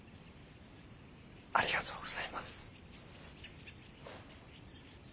ありがとうございます。